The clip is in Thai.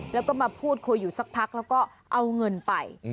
แล้วก็มาพูดคุยอยู่สักพักแล้วก็เอาเงินไป